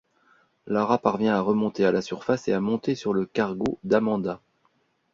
Lara parvient à remonter à la surface et à monter sur le cargo d'Amanda.